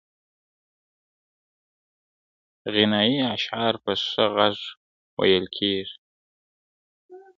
غنایي اشعار په ښه غږ ویل کېږي.